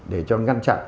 để cho ngăn chặn